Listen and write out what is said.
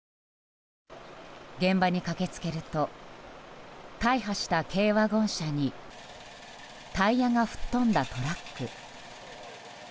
現場に駆け付けると大破した軽ワゴン車にタイヤが吹っ飛んだトラック。